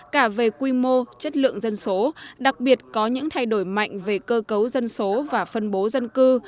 cả về quy mô chất lượng dân số đặc biệt có những thay đổi mạnh về cơ cấu dân số và phân bố dân cư